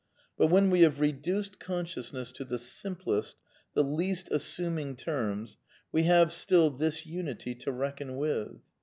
But when we have reduced consciousness to the simplest, the least assuming terms, we have still this unity to recion with.